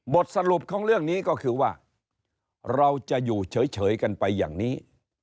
บทสรุปของเรื่องนี้ก็คือว่าเราจะอยู่เฉยกันไปอย่างนี้